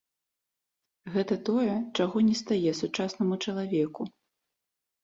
Гэта тое, чаго не стае сучаснаму чалавеку.